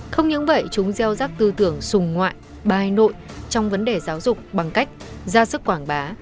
không những vậy chúng gieo rắc tư tưởng sùng ngoại bai nội trong vấn đề giáo dục bằng cách ra sức quảng bá